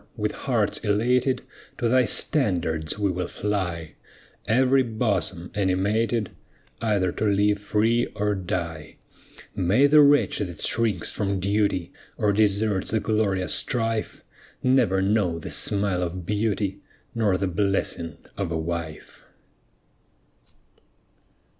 with hearts elated To thy standard we will fly; Every bosom animated Either to live free or die. May the wretch that shrinks from duty, Or deserts the glorious strife, Never know the smile of beauty, Nor the blessing of a wife.